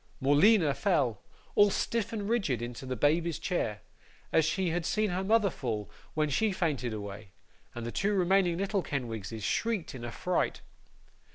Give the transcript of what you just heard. Morleena fell, all stiff and rigid, into the baby's chair, as she had seen her mother fall when she fainted away, and the two remaining little Kenwigses shrieked in affright.